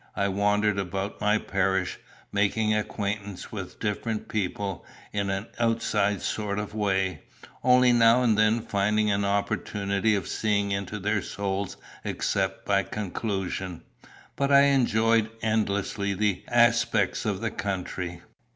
I wandered about my parish, making acquaintance with different people in an outside sort of way, only now and then finding an opportunity of seeing into their souls except by conclusion. But I enjoyed endlessly the aspects of the country.